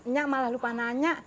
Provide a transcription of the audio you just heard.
nyak malah lupa nanya